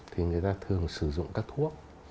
thì người ta thường sử dụng các thuốc